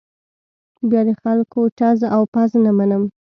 بیا د خلکو ټز او پز نه منم.